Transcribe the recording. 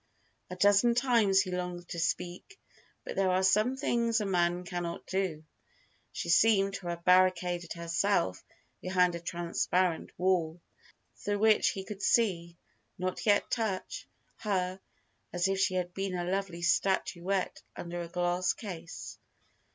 A dozen times he longed to speak; but there are some things a man cannot do. She seemed to have barricaded herself behind a transparent wall, through which he could see, yet not touch, her as if she had been a lovely statuette under a glass case.